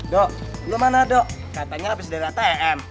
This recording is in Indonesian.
do lo mana do katanya abis dari atm